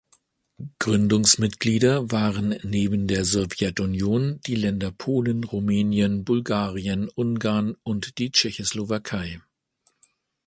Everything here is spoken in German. Gründungsmitglieder waren neben der Sowjetunion die Länder Polen, Rumänien, Bulgarien, Ungarn und die Tschechoslowakei.